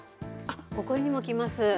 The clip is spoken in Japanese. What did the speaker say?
ここにもきます。